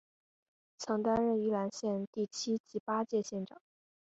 曾担任宜兰县第七及八届县长。